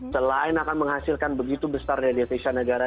selain akan menghasilkan begitu besar dari visi negara